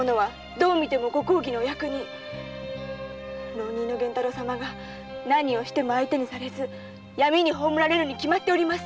浪人の源太郎様が何をしても闇に葬られるに決まってます。